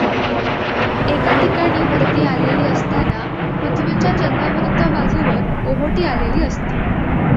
एका ठिकाणी भरती आलेली असताना पृथ्वीच्या चंद्राविरुद्ध बाजूवर ओहोटी आलेली असते.